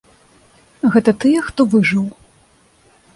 Гэта тыя, хто выжыў.